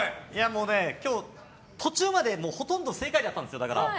今日、途中までほとんど正解だったんですよ。